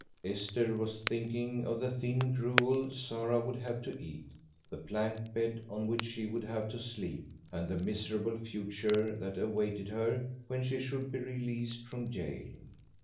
Esther was thinking of the thin gruel Sarah would have to eat, the plank bed on which she would have to sleep, and the miserable future that awaited her when she should be released from gaol.